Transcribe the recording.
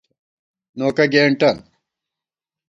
نوکہ گېنٹَن